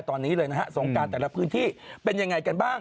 ตอนนี้เลยนะฮะสงการแต่ละพื้นที่เป็นยังไงกันบ้าง